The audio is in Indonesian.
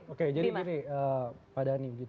oke jadi begini pak dhani